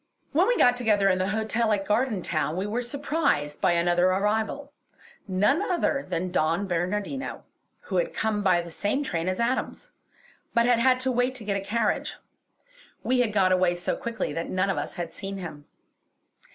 When we got together in the hotel at Gardentown we were surprised by another arrival; none other than Don Bernardino, who had come by the same train as Adams, but had had to wait to get a carriage. We had got away so quickly that none of us had seen him.